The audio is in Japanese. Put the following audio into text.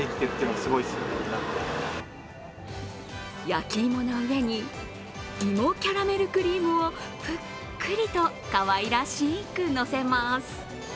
焼き芋の上に芋キャラメルクリームをぷっくりと、かわいらしくのせます